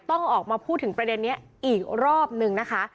ต้องออกมาพูดถึงประเด็นนี้อีกรอบนึงนะคะ